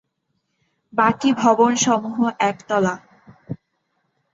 বাকি ভবন সমূহ একতলা।